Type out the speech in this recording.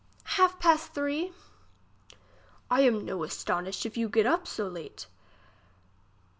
Half pass three. I am no astonished if you get up so late.